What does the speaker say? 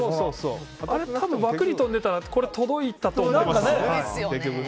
あれ、多分枠に飛んでたら届いたと思います。